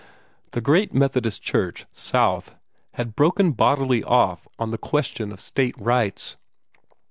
The great Methodist Church, South, had broken bodily off on the question of State Rights.